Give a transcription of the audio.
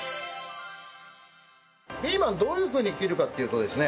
ピーマンどういうふうに切るかっていうとですね